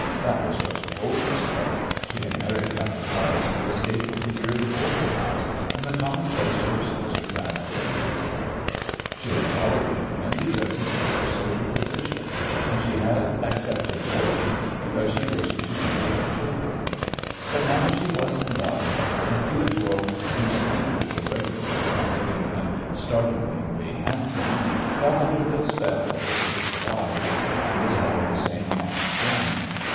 That was what she told herself. She had married Captain Weiss to escape from the dreary boarding house and the commonplace persons her grandmother catered for. She had tolerated him because he gave her social position, and she had accepted boredom because she wished to be with her children. But now she was in love, and Felix Roques, whose features were regular without making him startlingly handsome, fell under the spell of the fateful eyes, and was never the same man again.